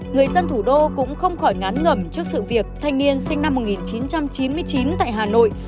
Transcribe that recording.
người dân thủ đô cũng không khỏi ngán ngẩm trước sự việc thanh niên sinh năm một nghìn chín trăm chín mươi chín tại hà nội